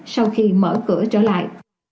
sau khi mở cửa trở lại